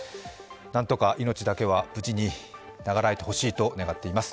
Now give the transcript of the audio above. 何とか命だけは無事に長らえてほしいと思っています。